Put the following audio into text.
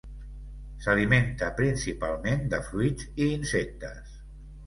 S'alimenta principalment de fruits i insectes.